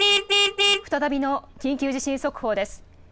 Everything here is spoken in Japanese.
再びの緊急地震速報です。